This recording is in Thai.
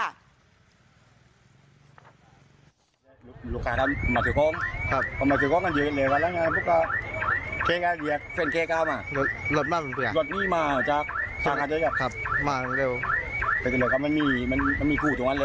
หลายคนทางหลานโดยมาตั้งดึงที่ตอนนั้นก็อับเต็กโชคอยู่หนึ่ง